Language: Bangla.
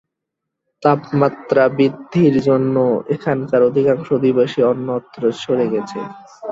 তাপমাত্রা বৃদ্ধির জন্য এখানকার অধিকাংশ অধিবাসী অন্যত্র সরে গেছে।